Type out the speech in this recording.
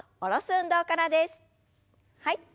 はい。